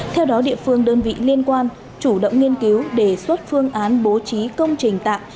theo đó địa phương đơn vị liên quan chủ động nghiên cứu đề xuất phương án bố trí công trình tạm